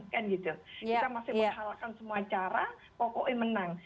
kita masih menghalalkan semua cara pokoknya menang